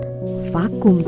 promosi prostetah belum selesai